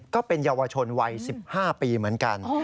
ก็เป็นเยาวชนวัย๑๕ปีเหมือนกัน